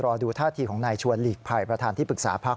รอดูท่าทีของนายชวนหลีกภัยประธานที่ปรึกษาพัก